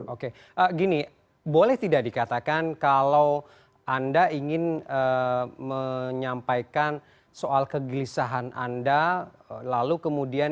oke gini boleh tidak dikatakan kalau anda ingin menyampaikan soal kegelisahan anda lalu kemudian